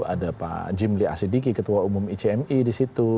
ada pak jimli asyidiki ketua umum icmi disitu